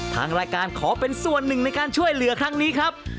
ทางรายการขอเป็นส่วนหนึ่งในการช่วยเหลือครั้งนี้ครับ